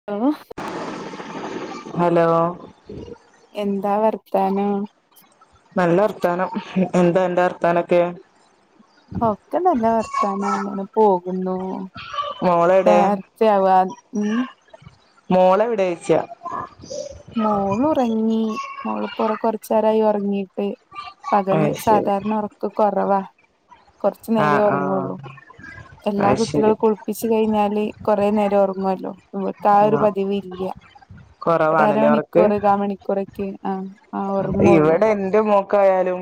[unintelligible] Hello എന്താ വർത്താനം? നല്ല വർത്താനം. എന്താ അന്റെ വർത്താനൊക്കെ? ഒക്കെ നല്ല വർത്താനം. അങ്ങനെ പോകുന്നു. [unintelligible] മോളെവിടോയ്ച്ച? മോള് ഉറങ്ങി. മോള് പ്പൊ കൊർച്ചേരായി ഒറങ്ങിട്ട്. പകല് അയ് ശരി സാധാരണ ഒറക്ക് കൊറവാ. കൊർച്ചു നേരേ ആഹ് ആഹ് ഒർങ്ങുള്ളൂ. എല്ലാ അയ് ശരി കുട്ടികളും കുളിപ്പിച്ച് കഴിഞ്ഞാല് കുറേ നേരം ഉറങ്ങുവല്ലോ ഇവൾക്ക് ആ ഒരു ആഹ് പതിവ് ഇൽയ ഒരു കൊറവാണല്ലേ ഒറക്ക് അരമണിക്കൂർ കാ മണിക്കൂറ്‌ക്കെ ആഹ് ഇവിടെ എന്റെ മോക്കായാലും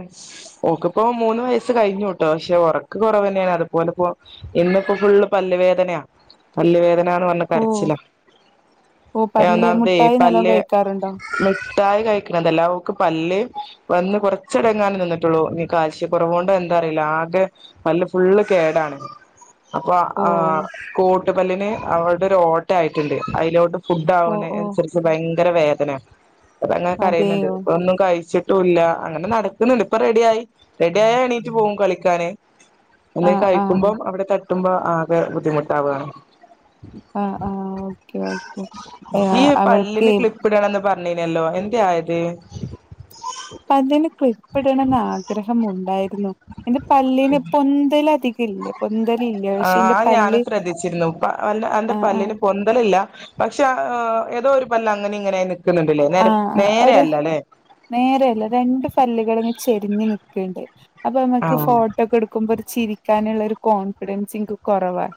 ഓക്കിപ്പോ മൂന്ന് വയസ്സ് കഴിഞ്ഞുട്ടോ പക്ഷെ ഉറക്ക് കുറവന്നെയണ് അതുപോലെപ്പോ ഇന്ന്പ്പോ ഫുള്ള് പല്ല് വേദനയാ പല്ല് വേദനന്ന് പറഞ്ഞ് ഓ കരച്ചില ഓ പല്ല് ഒന്നാമത് മുട്ടായി നല്ലോം പല്ല് കഴിക്കാറുണ്ടോ മിഠായി കഴിക് തെല്ല ഓക്ക് പല്ല് വന്ന് കുറച്ചടങ്ങാനെ നിന്നിട്ടുള്ളൂ ഇനി കാൽസ്യെ കുറവോണ്ട എന്താറിയില്ല ആകെ പല്ല് ഫുള്ള് കേടാണ് അപ്പൊ ഓ ആ കോട്ടുപല്ലിന് അവടെ ഒരു ഓട്ട ആയിട്ടുണ്ട് അതിലോട്ട് ഫുഡ് ഓ ആകുന്ന ഓ അനുസരിച്ച് ഭയങ്കര വേദന അതങ്ങനെ കര യുന്നുണ്ട് അതെയോ ഒന്നും കഴിച്ചിട് ട്ടുല്ല അങ്ങനെ നടക്കുന്നുണ്ട് ഇപ്പൊ റെഡിയായി റെഡിയായാൽ എണീറ്റ് പോകും കളിക്കാന് ആ എന്തേലും ആ കഴിക്കുമ്പം അവിടെ തട്ടുമ്പോ ആകെ ബുദ്ധിമുട്ടാവുകയാണ് ആഹ് ആ ഹ് ഓക്കെ ഓക്കെ അവൾക്ക് ണ്ണിനല്ലോ എന്തെ ആയത് പല്ല്ന് ക്ലിപ്പ് ഇടണംന്ന് ആഗ്രഹം ഉണ്ടായിരുന്നു എന്റെ പല്ല്ന് പൊന്തല് അധികം ഇല്ല പൊന്തല് ഇല്ല ആഹ് അത് ഞാനും ശ്രദ്ധിച്ചിരുന്നു അല്ല അന്റെ ആഹ് ആഹ് പല്ലിന് പൊന്തലില്ല പക്ഷെ ഏതോ ഒരു പല്ല് അങ്ങനെ ഇങ്ങനായി നിൽക്കുന്നുണ്ട്ലെ നേരെ നേര അല്ല ലെ നേര അല്ല രണ്ട് പല്ലുകൾങ്ങ ചെരിഞ്ഞ് നിക്ക്ണ്ട് അപ്പൊ ങ്ങക്ക് ആഹ് ഫോട്ടോകെടുക്ക ക്കുമ്പോ ഒരു ചിരിക്കാനുള്ള ഒരു കോൺഫിഡൻസ്ക്ക് എനിക്ക് കുറവാ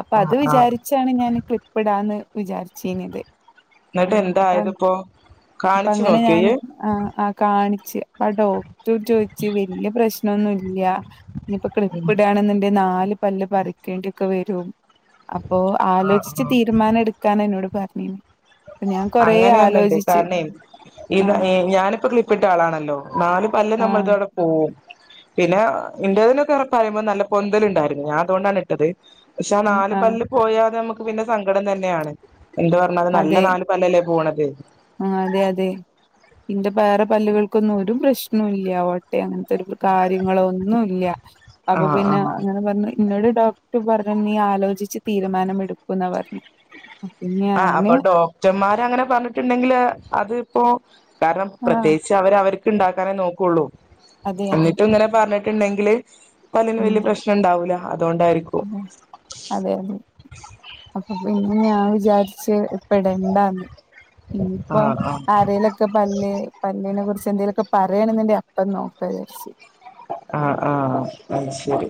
അപ്പൊ അത് ആഹ് ആഹ് വിചാരിച്ചാണ് ഞാൻ ക്ലിപ്പിടാന്ന് വിചാരിച്ചീഞ്ഞത് എന്നിട്ട് ആഹ് അപ്പ എന്തായത് ഇപ്പോ അപ്പ കാണിച്ചു അങ്ങനെ നോക്കിയോ ഞാന് ഇയ്യ് ആഹ് കാണിച്ച് അപ്പ ഡോക്ടറ് ചോദിച്ച് വല്യ പ്രശ്നെന്നുൽയ ഇനിപ്പൊ ഉം ക്ലിപ്പ്ടാണെന്ന്ണ്ടങ്കി നാല് പല്ല് പറിക്കേണ്ടി ഒക്കെ വരും. അപ്പൊ ആഹ് ആലോചിച്ച് ആഹ് തീരുമാനം എടുക്കാന എന്നോട് പറഞ്ഞീനി ഞാൻ കൊറേ ആല ണ്ട്. കാരണെ ഈ ഞാനിപ്പൊ ക്ലിപ്പിട്ട ആളാണല്ലോ നാല് പല്ല് ആഹ് നമ്മൾതവിടെ പോവും. പിന്നെ ഇന്റേതിലൊക്കെ പറ പറയുമ്പോൾ നല്ല പൊന്തല പറയുമ്പോ നല്ല പൊന്തല് ഉണ്ടായിരുന്നു. ഞാൻ അതുകൊണ്ടാണ് ഇട്ടത്. പക്ഷെ ആ ആഹ് നാല് ആഹ് പല്ല് പോയാത് നമുക്ക് പിന്നെ സങ്കടം തന്നെയാണ്. എന്ത് പറഞ്ഞലും നല്ല അതെ നാല് പല്ലല്ലേ പോണത്. അതെ അതെ ഇന്റെ വേറെ പല്ലുകൾക്കൊന്നും ഒരു പ്രശ്നു ഇൽയ ഓട്ടെ അങ്ങനത്തെ ഒരു കാര്യങ്ങളൊന്നും ഇൽയ അപ്പൊ ആഹ് പിന്നെ ആഹ് അങ്ങനെ പറഞ്ഞ ഇന്നോട് ഡോക്ടർ പറഞ്ഞ് നീ ആലോചിച്ച് തീരുമാനം എടുക്കുന്ന പറഞ്ഞത് ആഹ് അപ്പൊ ഡോക്ടർമാർ അങ്ങനെ പറഞ്ഞിട്ടുണ്ടെങ്കില് അത് ഇപ്പോ കാരണം ആ പ്രത്യേകിച്ച് അവര് അവർക്ക് ഉണ്ടാക്കാനേ നോക്കുള്ളൂ അതെ അതെ എന്നിട്ടും ഇങ്ങനെ പറഞ്ഞിട്ടുണ്ടെങ്കില് പല്ലിന് ഉം വലിയ പ്രശ്നം ഉണ്ടാവൂല അതുകൊണ്ടായിരിക്കും ഉം അതെ അതെ അപ്പൊ പിന്നെ ഞാൻ വിചാരിച്ച് ഇപ്പടെണ്ടാന്ന് ഇനിപ്പോ ആഹ് ആഹ് ആരലൊ ക്കെ പല്ല് പല്ലിനെ കുറിച്ച് എന്തെേലുമൊക്കെ പറയണന്ന്ന്റെ അപ്പം നോക്കാവിജാരിച്ചി ആഹ് ആഹ് അയ് ശരി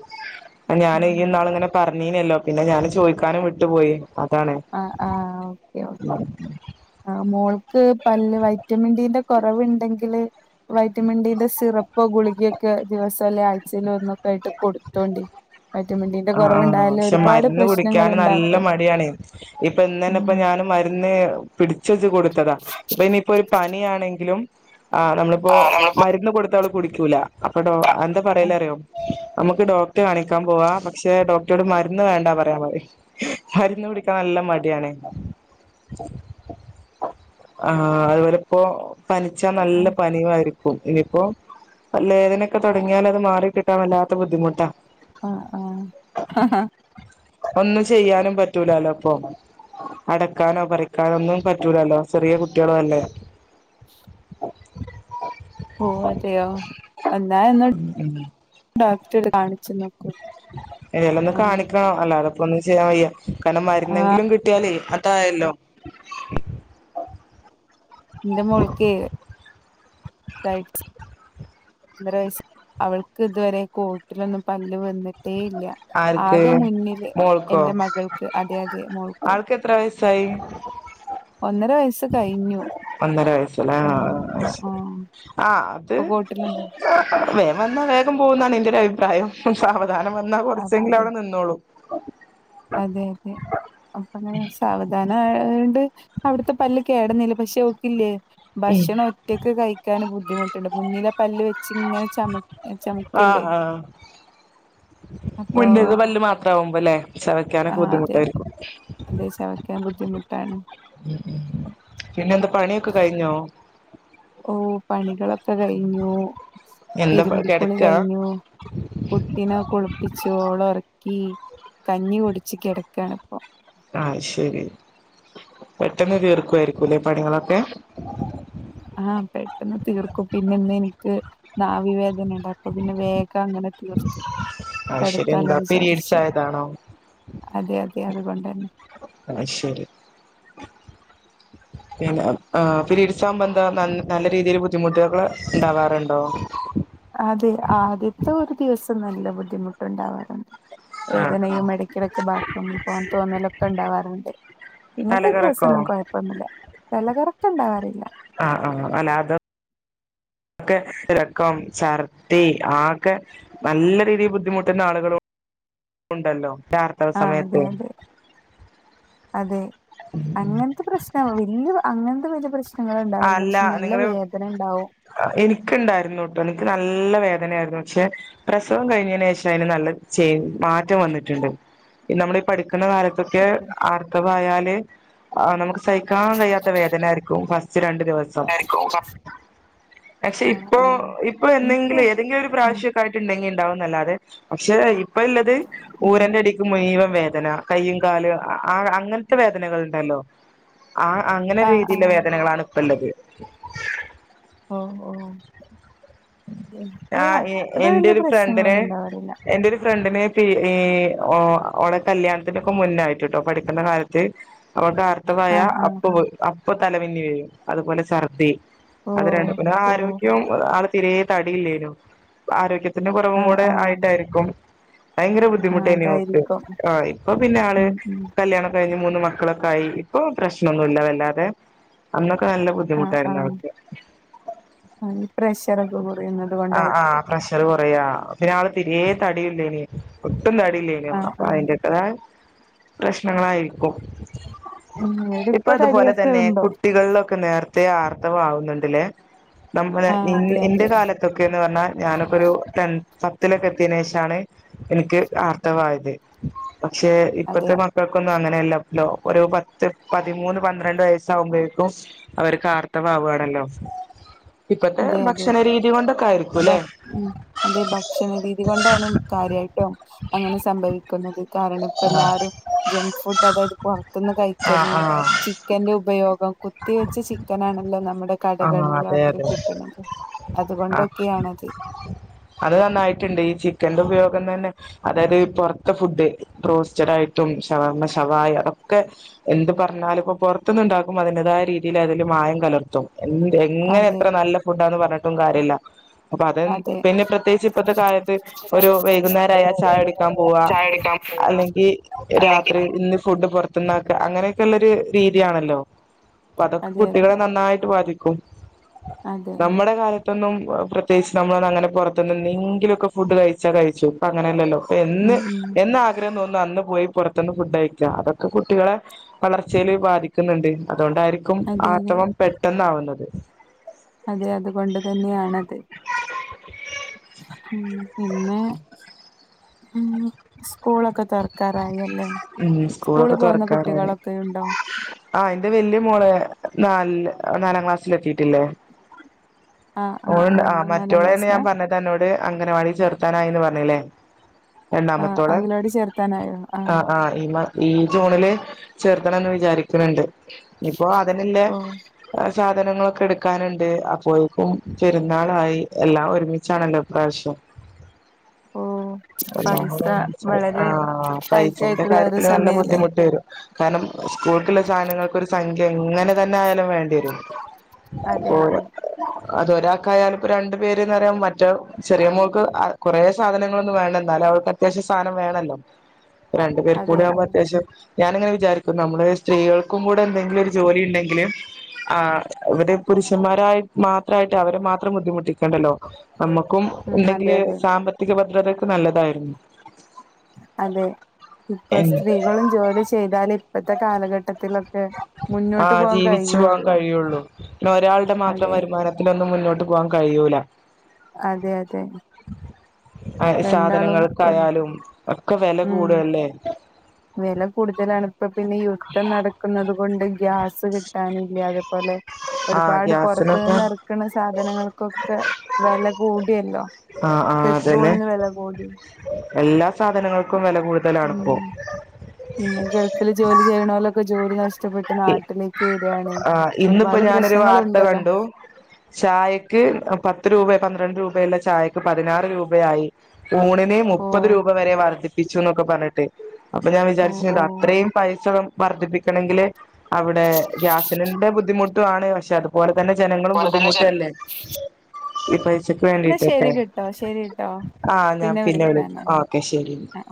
ഞാനും ഈ ഉം. ഇന്നാള് ങ്ങനെ പറഞ്ഞീനല്ലോ പിന്നെ ഞാൻ ചോയ്ക്കാനും വിട്ടു പോയി അതാണ് ആ ആഹ് മോൾക്ക് പല്ല് വൈറ്റമിൻ ഡീന്റെ കൊറവുണ്ടെങ്കില് വൈറ്റമിൻ ഡിന്റെ സിറപ്പോ ഗുളികിയൊക്കെ ദിവസം അല്ല ആഴ്ചയിൽ ഒന്നോ ആയിട്ട് കൊടുത്തോണ്ടി വൈറ്റമിൻ ടി ആഹ് ആഹ് പക്ഷെ മരുന്ന് കുടിക്കാൻ നല്ല ഉണ്ടാക്കും മടിയാണ് ഇപ്പൊ ഇന്നന്നെ ഇപ്പ ഉം ഞാന് മരുന്ന് ഏഹ് പിടിച്ചു വെച്ചു കൊടുത്തതാ ഇനിപ്പോ ഒരു പനി ആണെങ്കിലും ആഹ് നമ്മള് പ്പൊ ആ നമ്മളിപ്പോ മരുന്ന് കൊടുത്തവള് കുടിക്കൂല അപ്പഡോ എന്താ പറയല അറിയോ നമുക്ക് ഡോക്ടർ കാണിക്കാൻ പോവാ ക്ഷെ ഡോക്ടറോട് മരുന്ന് വേണ്ടാ പറയാൻ പറി മരുന്ന് കുടിക്കാൻ നല്ല മടിയാണ് ആഹ അതുപോലെ ഇപ്പോ പനിച്ചാ നല്ല പനിവായിരിക്കും ഇനിയിപ്പോ പല്ലേദനൊക്കെ തുടങ്ങിയാൽത് മാറി കിട്ടാൻ വല്ലാത്ത ബുദ്ധിമുട്ടാ ആഹ് ആഹ് ഒന്നും ചെയ്യാനും പറ്റൂലല്ലോപ്പൊ അടക്കാനോ പറിക്കാനോ ഒന്നും പറ്റൂലല്ലോ ചെറിയ കുട്ടിളും അല്ലേ ഓഹ് അതെയോ എന്നാ എന്നാ ഉം ഡോക്ടര് കാണിച്ചു നോക്കൂ ഏലൊന്നും ആ കാണിക്കണം അല്ലാതപ്പോ ഒന്നും ചെയ്യാൻ വയ്യ കാരണം ആ മരുന്നെങ്കിലും കിട് ട്ടിയാലേ അതായല്ലോ ഇന്റെ മോൾക്കേ തായി ഒന്നാര വയസ് അവൾക്ക് ഇതുവരെ കൊട്ടിലൊന്നും പല്ല് വന്നിട്ടേ ഇല്ല ആർക്ക് ആകെ മുന്നില് മോൾക്കോ എന്റെ മകൾക്ക് അതെ അതെ മോൾക്ക് ത്ര വയസായി ഒന്നര വയസ്സ് കഴിഞ്ഞു ഒന്നര വയസ്സല്ലേ ഓ ആഹ് ആ അയ് ആ ശരി ആഹ് അത് ഇപ്പൊ കോട്ടില വേഗം വന്നാ വേഗം പോകുന്നാണ് എന്റെറ ഒരു അഭിപ്രായം സാവധാനം വന്നാ അതെ കൊറച്ചെങ്കിലും അവിടെ നിന്നോളൂ അതെ അതെ അപ്പങ്ങള് സാവധാനം ആയോണ്ട് അവിടത്തെ പല്ല് കേടന്നില്ല പക്ഷെ ഓക്കില്ലേ ഭക്ഷണം ഒറ്റക്ക് കഴിക്കാൻ ബുദ്ധിമുട്ടുണ്ട് മുന്നിലെ പല്ല് വെച്ച് ഇങ്ങനെ ചമ ആഹ് ചമക്കല്ലേ ആഹ് അപ്പൊ മുന്നത്തെ പല്ല് മാത്ര ആവുമ്പോല്ലേ ആ ചവക്കാനൊക്കെ അതെ ബുദ്ധിമുട്ടായിരിക്കും അതെ ചവയ്ക്കാൻ ബുദ്ധിമുട്ടാണ് പിന്നെ എന്താ പണിയൊക്കെ കഴിഞ്ഞോ ഓഹ് പണികളൊക്കെ കഴിഞ്ഞു എന്താ തിരുമ്പിക്കുളി കിടക്കാ കഴിഞ്ഞു കുട്ടിനെ കുളിപ്പിച്ചു ഓളെ ഉറക്കി കഞ്ഞി കുടിച്ച് കിടക്കാണ്പ്പൊ ആയ് ശരി പെട്ടെന്ന് തീർക്കുവായിരിക്കൂല്ലെ പണികളൊക്കെ ആഹ് പെട്ടെന്ന് തീർക്കും പിന്നെ ന്ന് എനിക്ക് നാവിവേദന ണ്ട് അപ്പൊ പിന്നെ വേഗ അങ്ങനെ തീർത്തു ആഹ് ശരി കടക്കാലോ എന്താ പീരീഡ്സ് വിചാരിച് ആയതാണോ അതെ അതെ അതുകൊണ്ടന്നെ അയ് ശരി പിന്ന ആഹ് പിരീഡ്‌സ് ആവുമ്പോന്താ നല്ല രീതിയിൽ ബുദ്ധിമുട്ടുകൾ ണ്ടാവാറുണ്ടോ അതെ ആദ്യത്തെ ഒരു ദിവസം നല്ല ബുദ്ധിമുട്ടുണ്ടാവാറുണ്ട് ആഹ് വേദനയും ആഹ് എട കിടക്ക് ബാത്റൂമി പോകാൻ തോന്നലൊക്കെ ഉണ്ടാവാറുണ്ട് പിന്നത്തെ തലകറക്കോ ദിവസോന്നും കൊഴപ്പൊന്നുല്ല തല കറക്കം ഉണ്ടാവാറില്ല ആഹ് ആഹ് അലാതെ ക്കെ റക്കം ഛർദി ആകെ നല്ല രീതിയിൽ ബുദ്ധിമുട്ടുന്ന ആളുകളും ഉണ്ടല്ലോ ച ആഹ് അതെ അതെ അതെ അങ്ങൻത്തെ പ്രശ് ഇല്ല വെല്ല്യെ അങ്ങൻത്തെ വലിയ പ്രശ്നങ്ങള്ണ്ടാവലില്ല പക്ഷെ നല്ല വേദനേണ്ടാവും. അഹ് എനിക്ക് ഇണ്ടായിര്ന്നുട്ടൊ എനിക്ക് നല്ല വേദനേയിരുന്നു പക്ഷെ- പ്രസവം കഴിഞ്ഞേന്ശേഷം അയിന് നല്ല ചേ, മാറ്റം വന്നിട്ട്ണ്ട് നമ്മളീ പഠിക്ക്ണ കാല- ക്കെ ഓഹ് ആർഥവായാല് ആ നമ്ക്ക് സഹിക്കാൻ കഴിയാത്ത വേദനേയിരിക്കും ഫസ്- ഇച്ച് രണ്ട് ദിവസം- സം, പക്ഷെ ആഹ് ഇപ്പൊ ആഹ് ഇപ്പൊ ഇൻക്ക് എന്നെങ്കിലും ഏതെങ്കിലും ഒരു ഉം പ്രാവശ്യം- ആയിട്ട് ഇണ്ടെങ്കി ഇണ്ടാവുംന്നല്ലാതെ പക്ഷെ ഇപ്പ ഇല്ലത് ഉം ഊരന്റെ അടി- ത്ത് മുയിവം വേദന, കയ്യും, കാലും, അങ്ങൻത്തെ വേദനകള്ണ്ടല്ലോ- ആ അങ്ങനെ ആഹ് രീതില്ലെ ആഹ് വേദനകളാണ് ഇപ്പല്ലത്. ഓഹ് ഓഹ് ഇനിക്ക് ആഹ് അത്ര വല്ല്യ പ്രശ്നങ്ങളൊന്നും ഇണ്ടാവലില്ല. എന്റരു ഫ്രണ്ടിന് പി ഈ ഓ ഓളെ കല്യാണത്ത്ന്റൊക്കെ മുന്നായിട്ട്ട്ടോ പഠിക്കുന്ന കാലത്ത് ഓൾക്ക് ആർത്ഥവായാ ആഹ് ആഹ് അപ്പൊ വ് അപ്പ തലമിന്നിവരും അതുപോലെ സർദി- അത് ഓഹ് രണ്ടു പിന്നെ ഓഹ് ആരോഗ്യോം ആള് തീരേ തടിയില്ലേനു ആരോഗ്യ- പിന്നെ കൊറവും ആഹ് കൂടെ ആഹ് ആയിട്ടായിരിക്കു ഭയങ്കര ബു- ആഹ് ബുദ്ധിമുട്ടേനി ഓക്ക് അതായിരിക്കും. ആഹ് ഇപ്പൊ പിന്നെ ആള് ഉം ഉം കല്യാണൊ- കഴിഞ്ഞ് മൂന്ന് മക്കളൊക്കായി ഇപ്പൊ പ്രശ്നൊന്നൂല്ല വല്ലാതെ അന്നൊക്കെ നല്ല ബു- ആഹ് ആഹ് ആ ഈ പ്രഷറൊക്കെ കൊറയ്ന്ന- ആഹ് ആഹ് പ്രഷറ് കൊറയാ പിന്നെ ആള് തിരിയെ തടിയില്ലേനി. ഒട്ടും തടില്ലേനു. ആഹ് അപ്പൊ ആഹ് അയിന്റേക്കതായ പ്രശ്നങ്ങളായിരിക്കും. ഉം ഇവിടെ ഇപ്പൊ അതുപോലെ തടിയൊക്കെ തന്നെ ഉണ്ടോ കുട്ടികൾലൊക്കെ നേർത്തെ ആർത്തവം ആവുന്നുണ്ട്ലേ നമ്മളെ ആ നിൻ അതെ ഇന്റെ അതെ കാലത്ത്- ത്തൊക്കേന്ന് പറഞ്ഞാ ഞാനൊക്കൊരു ടെൻ പത്തിലൊക്കെ എത്തിയേന് ശേഷാണ് എനിക്ക് ആർത്തവായത്. പക്ഷെ ഇപ്പത്തെ അതെ മ- ഇപ്പക്കൊന്നും അങ്ങനെല്ല ല്ലോ ഒരു പത്ത് പതിമൂന്ന് പന്ത്രണ്ട് വയസ്സാവുമ്പഴേക്കും- അവര്ക്ക് ആർത്തവാവാണല്ലോ ഇപ്പത്തെ അതെ അതെ ഭക്ഷണരീതി കൊണ്ടൊ- ഭ ഉ അതീ ഭക്ഷണ രീതി കൊണ്ടാണ് കാര്യായിട്ടും. അങ്ങനെ സംഭവിക്ക്ന്നത് കാരണം ഇപ്പെല്ലാരും- ജങ്ക് ഫുഡ് അതായത് പൊറത്ത്ന്ന് കഴിക്കല്? ആഹ് ആഹ് ചിക്കന്റെ ഉപയോഗം കുത്തിവെച്ച ചിക്കനാണല്ലോ നമ്മടെ ആഹ് അതെ കടകളിലൊക്കെ അതെ കി- ട്ട്ണത് ആഹ് അത്കൊണ്ടൊക്കേണത്. അത് നന്നായിട്ട്ണ്ട് ഈ ചിക്കന്റെ ഉപയോഗം തന്നെ- അതായത് പൊറത്തെ ഫുഡ് ബ്രോസ്റ്റഡ് ആയിട്ടും ശവർമ ശവായ, അതൊക്കെ- എന്ത് പറഞ്ഞാലും ഇപ്പൊ പൊറത്ത്ന്ന്ണ്ടാക്കുബൊ അതിന്റെതായ രീതിയില് അതില് മായം കലർത്തും. എന്ത്‌ എങ്ങനെ അതെ എത്ര നല്ല ഫുഡാന്ന് പറഞ്ഞ്ട്ടും കാര്യല്ല. അപ്പൊ അതെൻ അതെ പിന്നെ പ്രത്യേകിച്ച് ഇപ്പത്തെ കാലത്ത് ഒരു വൈകുന്നേരായ ചായുടിക്കാം പോവാ- ചായ കുടിക്കാൻ പോവാണ് അല്ലെങ്കി അല്ലെങ്കിൽ രാത്രി ഇന്ന് ഫുഡ് പൊറ- ത്‌ ന്നാക്കാ അങ്ങനെക്കെള്ളെര് രീതിയാണല്ലോ അപ്പതൊക്കെ അതെ അതെ കുട്ടികളെ നന്നായി- ട്ട് ബാധിക്കും അതെ നമ്മടെ കാല- ത്തൊന്നും പ്രത്യേകിച്ച് നമ്മളൊന്നുംഅങ്ങനെ പൊറത്ത്ന്നെന്നീങ്കിലൊക്കെ ഫുഡ്‌ കഴിച്ച കഴിച്ചു ഇപ്പങ്ങനെല്ലല്ലോ എന്ന് ഉം ഉം എന്ന് ആഗ്രഹം തോന്ന്ന്നു അന്ന് പോയി പൊറത്ത്ന്ന് ഫുഡ് കഴിക്കാ അതൊക്കെ കുട്ടികളെ- വളർച്ചേല് ബാധിക്ക്ന്ന്ണ്ട് അതുകൊണ്ടായിരിക്കും അതെ അതെ ആർത്തവം പെട്ടെന്നാവ്ന്നത്. അതെ അതുകൊണ്ട്തന്നെയാണത്. ഉം പിന്നെ- ഉം സ്കൂളൊക്കെ തൊറക്കാറായി അല്ലെ? ഉം സ്കൂള് സ്കൂളൊക്കെ പോവുന്ന കുട്ടികളൊക്കെയുണ്ടോ? ആഹ് ഇന്റെ വെല്ല്യെ മോള് നാൽല് നാലാം ക്ലാസ്സിലെത്തീട്ട്ല്ലെ ആഹ് ഓള്ണ്ട് ആഹ് നാലാം മറ്റോളേണ് ഞാൻ ക്ലാസ്സിലാ പറഞ്ഞത് അന്നോട് അംഗനവാടി ചേർത്താനായീന്ന് പറഞ്ഞിലെ? ആഹ് രണ്ടാമത്തോളെ? അംഗലവാടി ചേർത്താനായോ ആഹ് ആഹ്. ഈ മാ ഈ ജൂണില് ചേർത്തണംന്ന് വിചാരിക്ക്ണ്‌ണ്ട്. ഇപ്പൊ അതിന്ല്ലെ ഓ സാധനങ്ങളൊക്കെ എട്ക്കാന്ണ്ട് അപ്പോയേക്കും പെരുന്നാളായി എല്ലാം ഒരുമിച്ചാണല്ലോ ഇപ്രാവശ്യം. ഓ പൈസ എല്ലാംകൂടെ ഒരുമിച്ചായി വളരെ ആഹ് അപ്പ ടൈറ്റ് അയ്ച്ചൂന്റെ ആയിട്ടുള്ള ഒരു കാര്യത്തില് നല്ല സമയല്ലേ ബുദ്ധിമുട്ട് വരും കാരണം സ്കൂൾക്ക്ള്ള സാനങ്ങൾക്കൊരു സംഖ്യ എങ്ങനെ തന്നെ ആയാലും വേണ്ടിവരും അതെ അതെ [unintelligible] അതൊരാക്കായാലും പ്പോ രണ്ടു പേര്ന്നറയാം മറ്റൊ ചെറിയ മോൾക്ക് അ കൊറേ സാധനങ്ങളൊന്നും വേണ്ട എന്നാലു അവൾക്ക് അത്യാവശ്യം സാനം വേണല്ലോ രണ്ടു അതെ പേർക്കൂടി ആവുമ്പോ അതെ അത്യാവശ്യം ഞാന്ങ്ങനെ വിചാരിക്കും നമ്മള് സ്ത്രീകൾക്കും കൂടെ എന്തെങ്കിലു ഒരു ജോലിണ്ടെങ്കില് ആഹ് ഇവിടെ പുരുഷന്മാരായി മാത്രായിട്ട് അവരെ മാത്രം ബുദ്ധിമുട്ടിക്കണ്ടല്ലോ നമ്മുക്കും ഉം അതെ ണ്ടെങ്കില് അതെ സാമ്പത്തിക ഭദ്രതക്ക് നല്ലതായിരിക്കും അതെ ഇപ്പൊ സ്ത്രീകളും ജോലി ചെയ്താലെ ഇപ്പത്തെ കാലഘട്ടത്തിലൊക് ആഹ് ജീവിച്ചു പോവാൻ കഴിയുള്ളൂ പിന്നെ ഒരാൾടെ മാത്രം അതെ വരുമാനത്തിലൊന്നും മുന്നോട്ട് പോവാൻ കഴിയൂല അതെ അതെ അഹ് രണ്ടാളും ഒരു സാധനങ്ങൾക്കായാലും ഒക്കെ വെല ഉം കൂടല്ലേ വെല കൂടുതലാണ് പ്പ പിന്നെ യുദ്ധം നടക്കുന്നത് കൊണ്ട് ഗ്യാസ് കിട്ടാനില്ല അതുപോലെ ആഹ് ഒരുപാട് പൊർത്ത് ഗ്യാസിനൊക്കെ നിന്ന് എറക്ക്ണ സാധനങ്ങൾക്കൊക്കെ വെല കൂടിയല്ലോ ആഹ് ആഹ് അതന്നെ പെട്രോൾന് വെല കൂടി എല്ലാ സാധനങ്ങൾക്കും വെല കൂടുതലാണ് പ്പോ ഉം പിന്നെ ഗൾഫില് ജോലി ചെയ്യ്ണോലൊക്കെ ജോലി നഷ്ടപ്പെട്ട് നാട്ടില് ക്ക് വരാണ് ആഹ് ഇന്നിപ്പോ ഒരുപാട് ഞാനൊരു വാർത്ത പ്രശ്നങ്ങളുണ്ടല്ലോ കണ്ടു ചായക്ക് എ പത്ത് രൂപെ പന്ത്രണ്ട് രൂപെ ള്ള ചായക്ക് പതിനാറ് രൂപയായി ഊണിന് ഓ മുപ്പത് രൂപ വരെ വർധിപ്പിച്ചു ന്നൊക്കെ പർഞ്ഞ്ട്ട് അപ്പ ഞാൻ ഓ വിചാരിച്ചു ഓ ണ്ട് അത്രീം പൈസ ഉം വർദ്ധിപ്പിക്കണെങ്കില് അവിടെ ഗ്യാസ് [unintelligible] ന്റെ ബുദ്ധിമുട്ടു ആണ് പക്ഷേ അതുപോലെ തന്നെ ജനങ്ങളും പോലെ തന്നെ ചെ ബുദ്ധിമുട്ടല്ലേ ഈ പൈസ എന്നാ ശരി വേണ്ടീട്ടൊക്കെ കേട്ടോ ശരി ട്ടോ ആഹ് ഞാൻ പിന്നെ വിളിക്കാ ഓക്കെ ശരിന്നാ ആഹ്